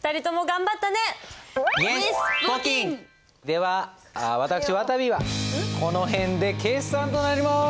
では私わたびはこの辺で決算となります。